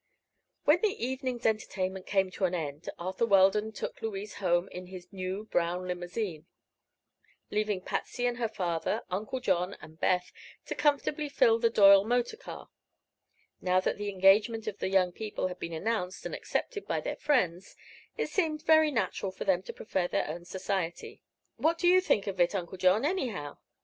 When the evening's entertainment came to an end Arthur Weldon took Louise home in his new brown limousine, leaving Patsy and her father, Uncle John and Beth to comfortably fill the Doyle motor car. Now that the engagement of the young people had been announced and accepted by their friends, it seemed very natural for them to prefer their own society. "What do you think of it, Uncle John, anyhow?"